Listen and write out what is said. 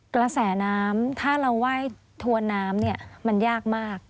กระแสน้ำถ้าเราไหว้ทวนน้ำเนี่ยมันยากมาก